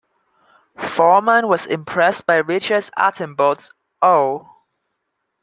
Foreman was impressed by Richard Attenborough's Oh!